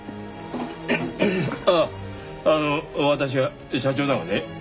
あああの私が社長だがね。